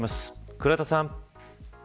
倉田さん。